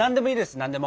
何でも！